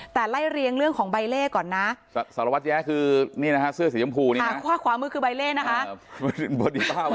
แต่ไล่เรียงเรื่องของใบเล่ก่อนนะสารวัตรแย้คือนี่นะฮะเสื้อสีชมพูนี่ขวามือคือใบเล่นะคะ